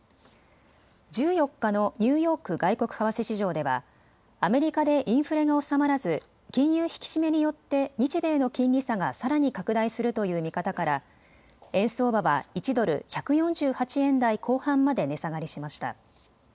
１４日のニューヨーク外国為替市場ではアメリカでインフレが収まらず金融引き締めによって日米の金利差がさらに拡大するという見方から円相場は１ドル１４８円台後半まで値下がりしました。